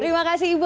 terima kasih ibu